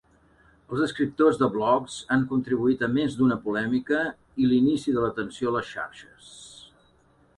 Els escriptors de blogs han contribuït a més d'una polèmica i l'inici de l'atenció a les xarxes.